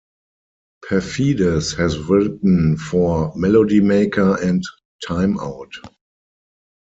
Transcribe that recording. Paphides has written for "Melody Maker" and "Time Out".